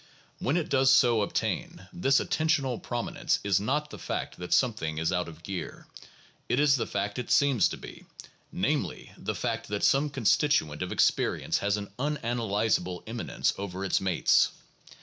When it does so ob tain, this attentional prominence is not the fact that something is out of gear; it is the fact it seems to be, namely the fact that some constituent of experience has an unanalyzable eminence over its mates.